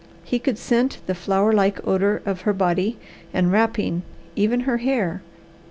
He could scent the flower like odour of her body and wrapping, even her hair.